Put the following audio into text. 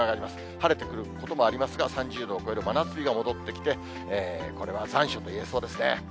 晴れてくることもありますが、３０度を超える真夏日が戻ってきて、これは残暑といえそうですね。